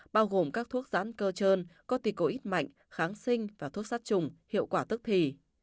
bao gồm các thuốc rán cơ trơn corticoid mạnh kháng sinh và thuốc sát trùng hiệu quả tức thì